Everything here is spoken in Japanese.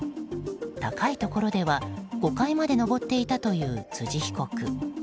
高いところでは５階まで登っていたという辻被告。